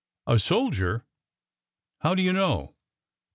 A soldier ? How do you know